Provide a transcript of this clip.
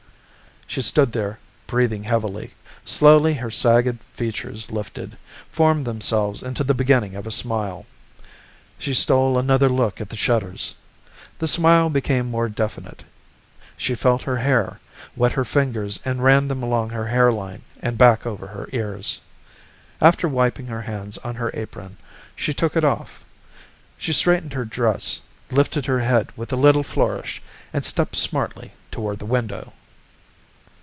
_ She stood there breathing heavily. Slowly her sagged features lifted, formed themselves into the beginning of a smile. She stole another look at the shutters. The smile became more definite. She felt her hair, wet her fingers and ran them along her hairline and back over her ears. After wiping her hands on her apron, she took it off. She straightened her dress, lifted her head with a little flourish, and stepped smartly toward the window.